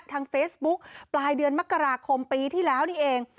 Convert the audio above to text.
ทางเฟซบุ๊กปลายเดือนมกราคมปีที่แล้วนี่เอง